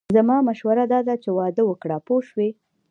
زما مشوره داده چې واده وکړه پوه شوې!.